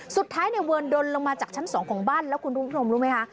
สุดท้ายในเวิร์นดนลงมาจากชั้น๒ของบ้านแล้วคุณผู้ชมรู้ไหมคะ